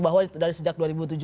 bahwa dari sejak dua ribu tujuh belas